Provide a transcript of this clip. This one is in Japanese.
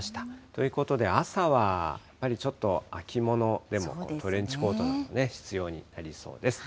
ということで、朝はやっぱりちょっと秋物でも、トレンチコート、必要になりそうです。